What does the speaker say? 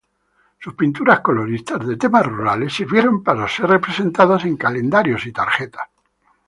Sus pinturas coloristas de tema rurales sirvieron para ser representadas en calendarios y tarjetas.